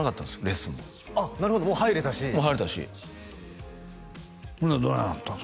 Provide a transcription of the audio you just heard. レッスンもああなるほどもう入れたしもう入れたしほんならどないなったん？